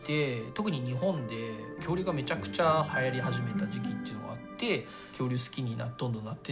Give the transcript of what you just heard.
特に日本で恐竜がめちゃくちゃはやり始めた時期っていうのがあって恐竜好きにどんどんなってって。